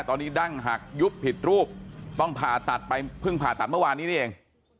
ตอนนี้ดั้งหักยุบผิดรูปต้องผ่าตัดไปเพิ่งผ่าตัดเมื่อวานนี้นี่เอง